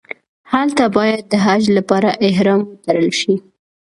هلته باید د حج لپاره احرام وتړل شي.